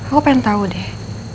aku pengen tau deh